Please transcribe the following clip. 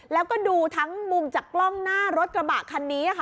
แล้วก็ดูทั้งมุมจากกล้องหน้ารถกระบะคันนี้ค่ะ